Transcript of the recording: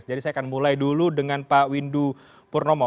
jadi saya akan mulai dulu dengan pak windu purnomo